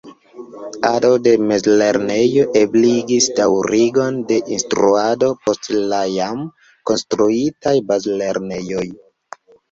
La konstruado de mezlernejo ebligis daŭrigon de instruado post la jam konstruitaj bazlernejoj.